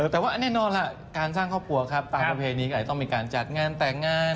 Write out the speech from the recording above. แต่แน่นอนละรุ่นการสร้างครอบครัวต้องมีการจัดงานแตกงาน